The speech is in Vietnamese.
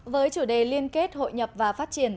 với chủ đề liên kết hội nhập và phát triển